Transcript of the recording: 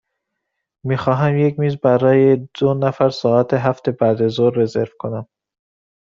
می خواهم یک میز برای دو نفر ساعت هفت بعدازظهر رزرو کنم.